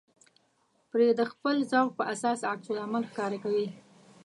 پرې د خپل ذوق په اساس عکس العمل ښکاره کوي.